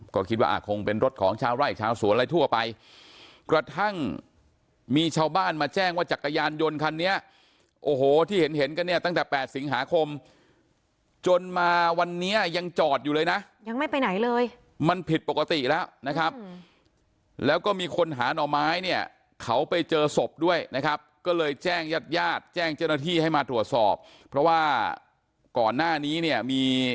ก็คิดว่าคงเป็นรถของชาวไร่ชาวสวนอะไรทั่วไปกระทั่งมีชาวบ้านมาแจ้งว่าจักรยานยนต์คันนี้โอ้โหที่เห็นเห็นกันเนี่ยตั้งแต่๘สิงหาคมจนมาวันนี้ยังจอดอยู่เลยนะยังไม่ไปไหนเลยมันผิดปกติแล้วนะครับแล้วก็มีคนหาหน่อไม้เนี่ยเขาไปเจอศพด้วยนะครับก็เลยแจ้งญาติญาติแจ้งเจ้าหน้าที่ให้มาตรวจสอบเพราะว่าก่อนหน้านี้เนี่ยมี